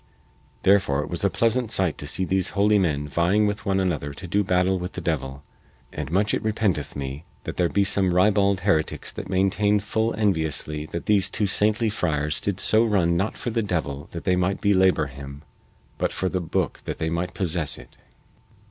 Therefore was it a pleasant sight to see these holy men vying with one another to do battle with the devil, and much it repenteth me that there be some ribald heretics that maintain full enviously that these two saintly friars did so run not for the devil that they might belabor him, but for the booke that they might possess it.